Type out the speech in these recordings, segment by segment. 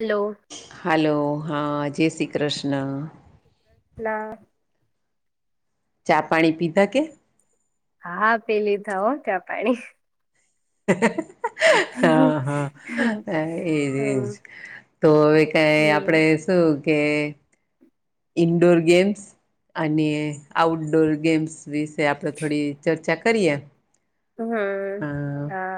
Hello hello, હા જય શ્રી કૃષ્ણ ના ચા પાણી પીધા કે હા, પીલીધા હો, ક્યાં પાણી. હમ હા, હા એજ, એજ હમ તો હવે કઈ, આપણે શું કે ઇન્ડોર ગેમ્સ. અને આઉટડોર ગેમ્સ વિશે આપણે, થોડી ચર્ચા કરીએ. હમ હા,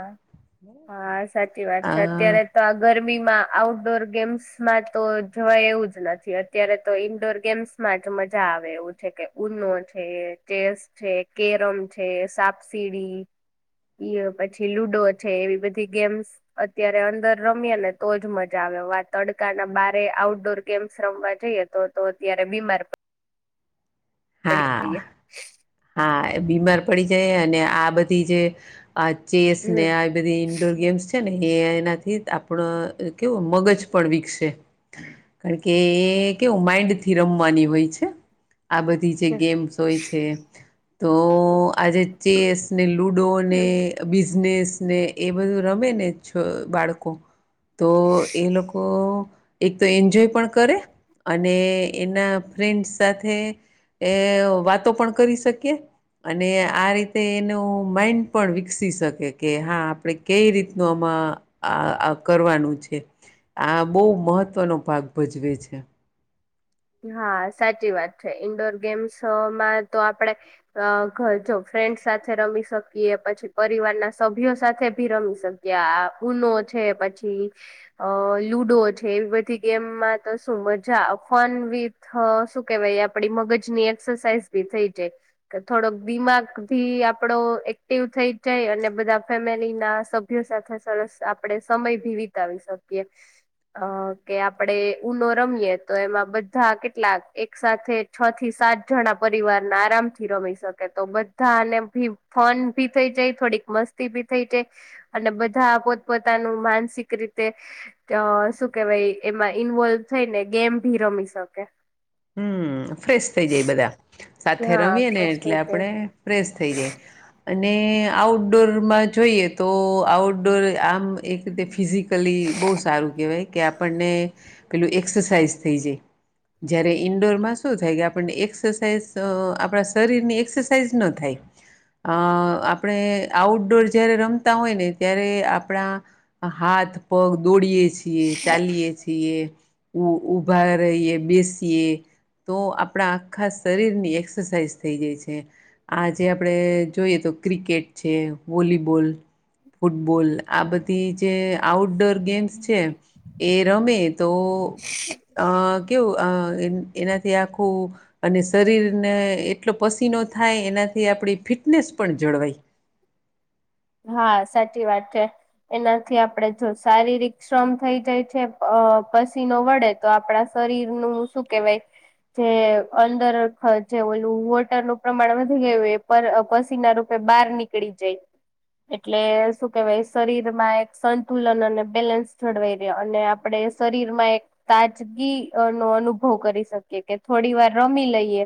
હા સાચી વાત છે. અત્યારે આ તો આ ઘર મા આઉટડોર ગેમ્સમા, તો જવાય એવું જ નથી અત્યારે તો ઇન્ડોર ગેમ્સ માં જ મજા આવે એવું છે, કે નો છે, ચેસ છે, કેરમ છે સાપસીીડી ઈ પછી લુડો છે, એવી બધી ગેમ્સ અત્યારે અંદર રમ્યા ને તોજ મજા આવે તડકા ના બારે આઉટડોર ગેમ્સ, રમવા જઈએ, તો તો અત્યારે બીમાર પડ હા, હા બીમાર પડી જાય, અને આ બધી જે આ ચેસને, હમ આ બધીઇન્ડોર ગેમસ ને એ એનાથી આપણ, કેવો મગજ પણ વિકસે કારણ કે એ કેવું માઇન્ડ થી રમવાની હોય છે આ બધી બધી જે ગેમ્સ હોય છે તો આજે ચેસ ને લૂડો ને બિઝનેસ ને એ બધું રમે ને બાળકો તો એ લોકો એક તો એન્જોય પણ કરે અને એના ફન્ડ સાથે. એ વાતો પણ કરી શકીએ અને આ રીતે એનું માઈન્ડ પણ વિકસી શકે કે હા આપડ કેઈ રીત ન અમર આ કરવાનું છે આ બહુ મહત્વનો ભાગ ભજવે છે હા સાચી વાત છે ઈન્ડોર ગેમ્સમાં તો આપડે જો ફ્રેન્ડ સાથે રમી શકીએ પછી પરિવારના સભ્યો સાથે ભી રમી શકીએ આ ઉનોજ છે પછી અ લુડો છે એવી બધી ગેમમાં તો શું મજા વિથ શ કેવાય આપ મગજની એક્સરસાઝી થઈ જાય થોડક ક ભી આપડો એક્ટિવ થઈ જાય અને બધા ફેમિલી ના સભ્યો સાથે સરસ આપણે સમય ભી વિતાવી શકીએ કે આપડે ઉનો રમીએ તો એમાં બધા કેટલાક એક સાથે છ થી સાત જણા પરિવાર ના આરામ થી રમી શકે તો બધાને ભી ફન ભી થઈ જાય થોડીક મસ્તી ભી થઈ જાય અને બધા પોતપોતાનું માનસિક રીતે શું કેવાય એમાં ઇન્વોલ્વ થઈને ગેમ ભી રમી શકે હમ ફ્રેશ થઈ જાય બધા સાથે હા રમીએ ને એટલે આપણે ફ્રેશ થઈ જાય અને આઉટડોરમાં જોઈએ તો આઉટડોર આમ એક રીતે ફિઝિકલી બહુ સારું કેહેવાય કે આપણને પેલું એક્સરસાાઈઝ થઈ જાય જય્યારે ઈન્ડોરમાં શું થાય કે આપણને એક્સરસાઇઝ આપણા શરીરની એક્સ તે જ ના થાય અ આપણે આઉટડોર જયારે રમતા હોય ને ત્યારે આપણા હાથ પગ દોડીએ છીએ ચાલીય છીએ ઉઊભા રહીએ બેસ તેે તો આપણા આખા શરીરની એક્સરસાઇઝ થઈ જાય છે આ જે આપણે જોઈએ તો ક્રિકેટ છે વોલીબોલ ફૂટબોલ આ બધી જે આઉટડોર ગેમ્સ છે એ રમે તો અ કેવું એનાથી આખું અને શરીરને એટલો પસીનો થાય એનાથી આપ ફીટ ફટનેસ પણ જળવાઈ હા સાચી વાત છે એનાથી આપણેે જો શારીરિક શ્રમ થઈ જાય છે અ પસીનો વડે તો આપડા શરીર નું શું કેવાય જે અંદર જે ઓલું વોટરનું પ્રમાણ વધી ગયું એ પસીના રૂપે બહાર નીકળી જાય એટલે શું કેવાય શરીર માં એક સંતુલન અને બેલેન્સ જળવાઈ રહે અને આપડે શરીર માં એક તાજગી નો અનુભવ કરી શકીએ કે થોડી વાર રમી લઈએ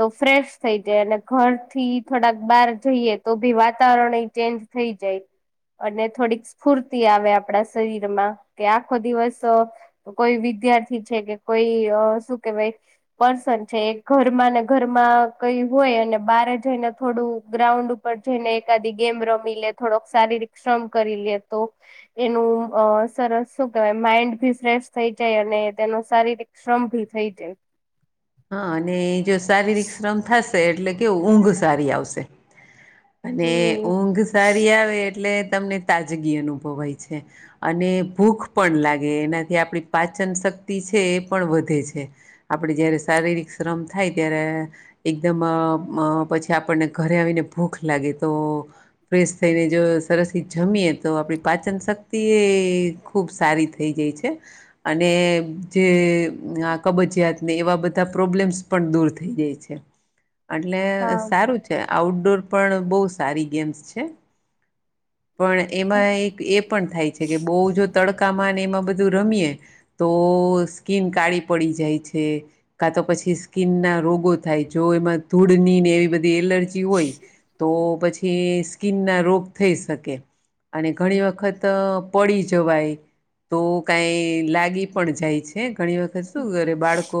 તો ફ્રેશ થઈ જાય અને ઘરથી થોડાક બહાર જઈએ તો ભી વાતાવરણ ચેન્જ થઇ જાય અને થોડીક સ્ફૂર્તિ આવે આપણા શરીરમાં કે આખો દિવસ કોઈ વિદ્યાર્થી છે કે કોઈ શું કેવાય પર્સન છે ઘરમાં ને ઘરમાં કઈ હોય અને બારે જઈને થોડું ગ્રાઉન્ડ ઉપર જઈને એકાદ ગેમ રમી લે થોડોક શારીરિક શ્રમ કરી લે તો એનું સરસ શું કેવાય માઈન્ડ ભી ફ્રેશ થઈ જાય અને તેનો શારીરિક શ્રમ ભી થઈ જાય હા અને જો શારીરિક શ્રમ થશે એટલે કેવું ઊંઘ સારી આવશે અને હમ ઊંઘ સારી આવે એટલે તમને તાજગી અનુભવાય છે, અને ભૂખ પણ લાગે એનાથી આપડી પાચન શક્ તે છે, એ પણ વધે છે, આપડે જય શારીરિક શ્રમ થાય, ત્યારે એકદમ પછી, આપણને ઘરે આવીને ભૂખ લાગે તો ફ્રેશ થઈને, જો સરસ થી, જમીએ તો આપડી પાચન શક્તિ એ ખુબ સારી થઈ જાય છે, અને જે કબજયાતને એવા બધા બધા પ્રોબ્લેમ્સ પણ દૂર થઈ જાય છે, એટલે હા સારું છે. આઉટડોર પણ બહુ સારી ગેમ્સ છે. પણ એમાં એક એ પણ થાય છે, કે બહુ જો તડકામાં એમાં બધું રમીએ તો સ્કીન કાળી પડી જાય છે. કા, તો પછી સ્કીિન ના રોગો થાય, જો એમાં ધૂળની ને એવી બધી. એલર્જી હોય, તો પછી સ્કીિનના રોગ થઈ, શકે અને ઘણી, વખત પડી જવાય તો કઈ લાગી પણ જાય છે. ઘણી વખત શું કરે બાળકો,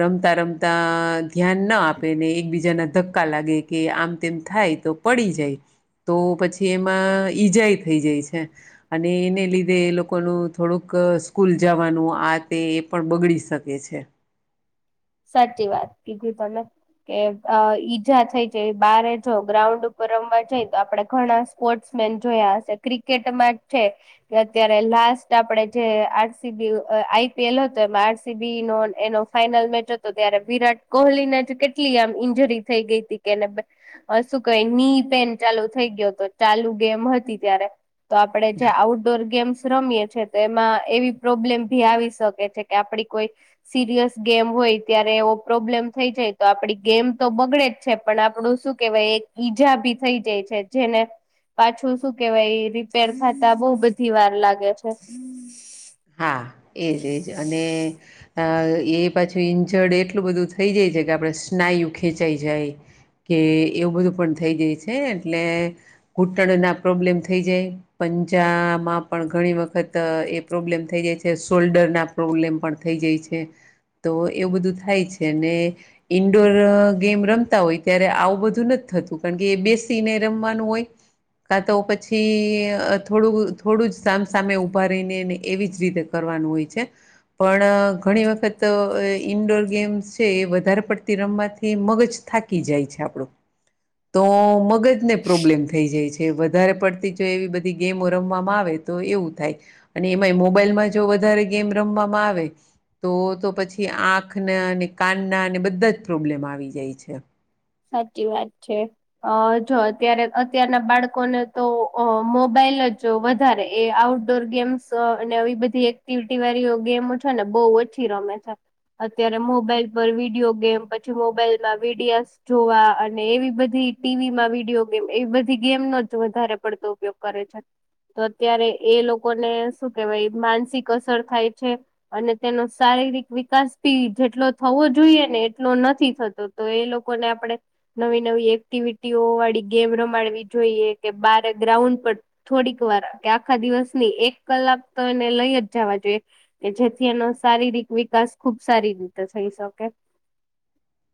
રમતા, રમતા ધ્યાનના આપે, ને એકબીજાના ધક્કા લાગે કે આમ તેમ થાય, તો પડી જાય તો પછી એમાં ઈજાઈ થઈ જાય છે. અને એને લીધે એ લોકોનું થોડુંક સ્કૂલ જવાનુ, આ તે એ પણ બગડી શકે છે. સાચી વાત કીધુ તમે કે ઈજા થઈ જાય, બારે જો ગ્રાઉન્ડ ઉપર રમવા જઈ, તો આપડે ઘણા સ્પોર્ટ્સ જોયા હશે, ક્રિકેટમાં જ છે કે અત્યારે લાસ્ટ આપણેે જે આરસીબી આઈપીએલ હતો, એ આરસીબી નો એનો ફાઈનલ મેચ હતો. તો ત્યારે વિરાટ કોહલીને જ કેટલી આમ ઈન્જરી થઈ ગઈ હતી, કેને શું ક ની ન ચાલુ થઈ ગયો, તો ચાલુ ગેમ હતી ત્યારે તો આપડે જે આઉટડોર ગેમ્ રમીએ છે, તો એમાં એવી પ્રોબ્લેમ ભી આવી શકે છે, કે આપડી કોઈ સિરિયસ ગેમ હોય. ત્યારે એવો પ્રોબ્લેમ થઈ જાય, તો આપણી ગેમ તો બગડે જ છે, પણ આપણું શું કહેવાય એક ઈજા. થઈ જાય છે, જેને પાછું શું કેવાય રીપેર ખાતા બહ બધી વાર લાગે છે. હા, એજ, એજ અને આ એ પાછુ ઈન્જર્ડ એટલું બધું થઈ જાય છે, કે આપણે સ્નાયુ ખેંચાઈ જાય કે એવું બધું પણ થઈ જાય છે, એટલે ઘૂંટણ ના પ્રોબ્લેમ થઈ, જાય. પંજામાં પણ ઘણી, વખત એ પ્રોબ્લેમ થઈ જાય છે, શોલ્ડર ના પ્રોબ્લેમ પણ થઈ જાય છે. તો એવું બધું થાય છેને, ઈન્ડોર ગેમ રમતા હોય ત્યારે આવું બધું નથી. થતું કારણ કે એ બેસીને રમવાનું, હોય કા, તો પછી થોડું થોડું જ સામસામે ઉભા રહીને નહી. એવી જ રીતે કરવાનું હોય છે, પણ ઘણી વખત ઇન્ડોર ગેમ્સ છે. વધારે પડતી રમવાથી મગજ થાકી જાય છે, આપણું. તો મગજને પ્રોબ્લેમ થઈ જાય છે, વધારે પડતી જો એવી બધી ગેમો રમવામાં આવે તો એવું થાય અને એમાંય મોબાઈલમાં જો વધારે ગેમ રમવામાં આવે. તો તો પછી આંખને અને કાનના અને બધા જ પ્રોબ્લેમ આવી જાય છે. સાચી વાત છે, અ જો અત્યારે અત્યારના બાળકોને તો મોબાઈલ પે જો વધારે એ આઉટડોર ગેમ્સ અને આવી બધી એક્ટિવિટી વાળી ગેમો છેો, ને બહુ બ ઓછી રમે છે, અત્યારે મોબાઈલ પર વિડીિયો ગેમ પછી મોબાઈલમા વિડીયસ જોવા અને એવી બધી ટીવીમા વિડીયો ગેમ એવી બધી ગેમનોો, જ વધારે પડતો ઉપયોગ કરે છે. [unintelligible] તો અત્યારે એ લોકોને શું કેહેવાય માનસિક અસર થાય છે, અને તેનો સારી શિક, વિકાસી જેટલો થવો જોઈએ ને એટલો નથી થતો, તો એ લોકો ને આપણે નવી, નવી એક્ટિવિટીઓ વાળી ગેમ રમાડવી જોઈએ, કે બારે ગ્રાઉન્ડ થોડીક, વાર કે આખા દિવસની એક કલાક તો એને લઈજ જવા જોઈએ, કે જેથી એનો શારીરિક વિકાસ ખુબ સારી રીતે થઈ, શકે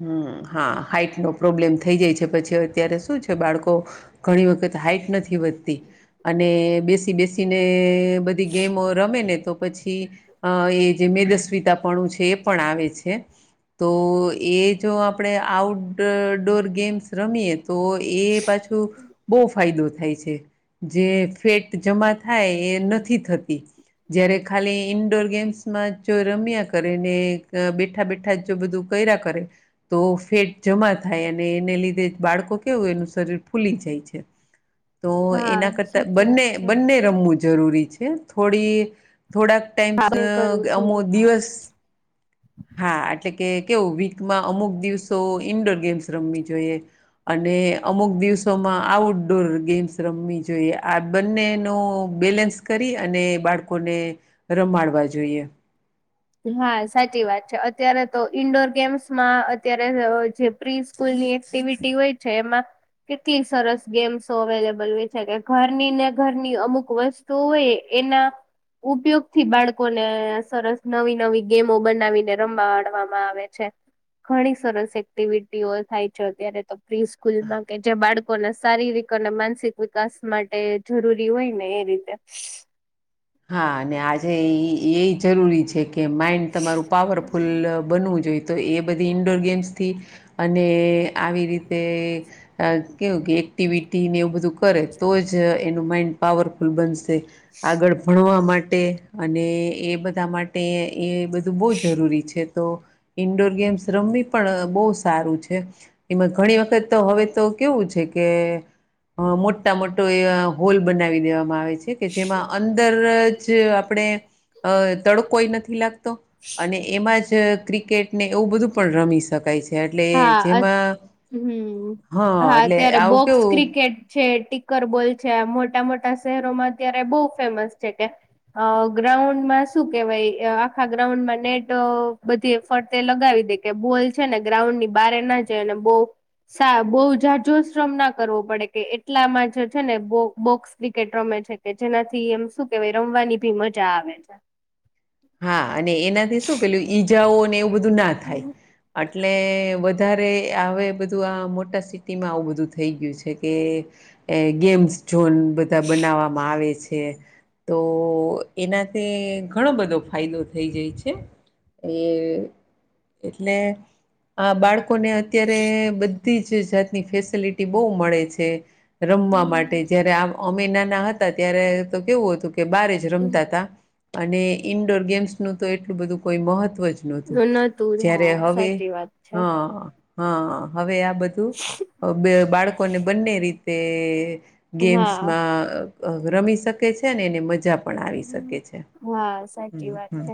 હમ, હા હાઈટ નો પ્રોબ્લેમ થઈ જાય છે, પછી અત્યારે શું છે બાળકો ઘણી વખત હાઈટ નથી વધતી અને બેસી, બેસીને બધી ગેમો રમે ને તો પછી એ જે મેદસ્વીિતાપણું છે, એ પણ આવે છે, તો એ જો, આપણે આઉટડોર ગેમ્સ રમીએ તો એ પાછું બહુ ફાયદો થાય છે, જે ફેટ જમા થાય, એ નથી થતી જયારે ખાલી ઈન્ડોર ગેમ્સમાં જો રમ્યા કરે ને બેઠા, બેઠા, જો બધું કર્યા ક કરે તો ફેટ જમા થાય અને, એને લીધે બાળકો કેવું એનું શરીર ફૂલી જાય છે. તો, હા એના કરતાં સાચી બંને વાત છે. બંને રમવું જરૂરી છે થોડી થોડાક ટાઈમ્સ હા કરવું અમુ જોઈએ. દિવસ હા, એટલે કે કેવું વીકમાં અમુક દિવસો ઈન્ડોર ગેમ્સ રમવી જોઈએ અને, અમુક દિવસોમાં આઉટડોર ગેમ્સ રમવી જોઈએ આ બંને નુ બેલેન્સ કરી, અને બાળકોને રમાડવા જોઈએ હા સાચી વાત છે, અત્યારે તો ઈન્ડોર ગેમ્સમાં અત્યારે જે પ્રિ સ્કૂલ ની એક્ટિવિટી હોય છે, એમાં કેટલી સરસ ગેમ્સ અવેલેબલ હોય છે, કે ઘરની ને ઘરની અમુક વસ્તુ હોય એના ઉપયોગ થી, બાળકોને સરસ નવી, નવી ગેમો બનાવીને રમવાડવામાં આવે છે. ઘણી સરસ એક્ટિવિટીઓ થાય છે, અત્યારે તો પ્રિ સ્કૂલમાં કે જે બાળકોને સારી રીત અને, માનસિક વિકાસ માટે જરૂરી હોય ને એ રીતે હા, અને આજે એ જરૂરી છે. કે માઇન્ડ, તમારું પાવરફુલ બનવું જોઈ તો એ બધી ઇન્ડોર ગેમ્સથી, અને આવી રીતે કેવું કે એક્ટિવિટી ને એવું બધું કરે તો, જ એનું માઇન્ડ પાવરફુલ બનશે આગળ ભણવા માટે અને, એ બધા માટે એ બધું બહુ જરૂરી છે, તો ઈન્ડોર ગેમ્સ રમવી પણ બહ સારું છે, એમાં ઘણી વખત તો હવે તો કેવું છે કે મોટા, મોટો એ હોલ બનાવી દેવામાં આવે છે, કે જેમાં અંદર આપણે તડકોય નથી લાગતો, અને એમાં જ ક્રિકેટ ને એવું બધું પણ રમી શકાય છે, એટલે હા જેમાં હમ હા એટલે અત્યારે આવું બોક્સ કેવું ક્રિકેટ છે, ટીકર બોલ મોટા, મોટા શહેરોમાં અત્યારે બહ ફેમસ છે, કે ગ્રાઉન્ડમાં શું કેવાય એ આખા ગ્રાઉન્ડ માં, નેટ બધી ફરતે લગ ગાવી દે કે બોલ છે, ને ગ્રાઉન્ડ ની બારે ના જાય અને બો સા બહુ જાજો શ્રમ ના કરવો પડે કે એટલામાં જે છે, ને બોક્સ ક્રિકેટ રમે કે જેનાથી, એમ શું કેવાય રમવાની બી મજા આવે છે. હ હા, અને એનાથી શું પેલું ઈજાઓ અને એવું બધું ના થાય એટલે વધારે હ બધું આ મોટા સિટીમાં, આવું બધું થઈ ગયું છે કે ગેમ્સ દોન બધા બનાવવામાં આવે છે, તો એનાથી ઘણો બધો ફાયદો થઈ જાય છે, એ એટલે આ બાળક લોકોને અત્યારે, બધી જ જાતની ફેસિલિટી બહુ મળે છે રમવા માટે જયારે આ અમે નાના હતા, ત્યારે તો કેવું હતું કે બારે જ રમતા હતા અને, ઇન્ડોર ગેમ્સ નું તો એટલું બધું કોઈ મહત્વ જ નહતું, નતું જ્યારે હા હવે સાચી વાત છે હા હા, હવે આ બધું બાળકોને બંને રીતે હા. ગેમ્સમાં રમી શકે છે, ને એને મજા પણ, આવી શકે છે. હમ ચીવાત હમ છે,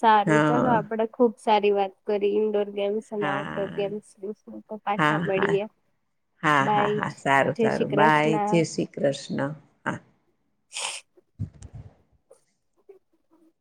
સારું હા ચાલો આપડે ખુબ સારી વાત કરી ઇન્ડોર ગેમ્સ અને આઉટડોર હા ગેમ્સશું, તો હા પાછા હા મળીએ હા, હા, બાય હા સારું, જય શ્રી સારું બાય, કૃષ્ણ. જય શ્રી કૃષ્ણ, હા. [unintelligible] હ